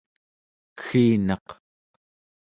kegginaq